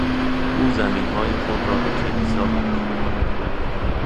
او زمینهای خود را به کلیسا بخشید.